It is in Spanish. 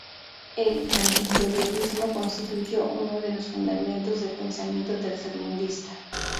El antiimperialismo constituyó uno de los fundamentos del pensamiento tercermundista.